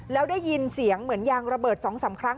แล้วได้ยินเสียงเหมือนยางระเบิด๒๓ครั้ง